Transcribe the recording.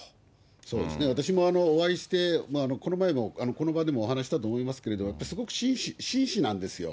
そうですね、私もお会いして、この前も、この場でもお話したと思うけれど、すごく紳士なんですよ。